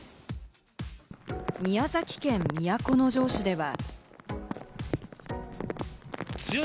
宮崎県都城市では。